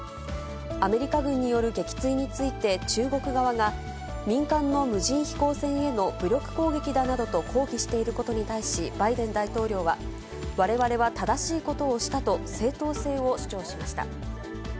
アメリカ軍による撃墜について、中国側が民間の無人飛行船への武力攻撃だなどと抗議していることに対し、バイデン大統領は、われわれは正しいことをしたと正当性を主張しました。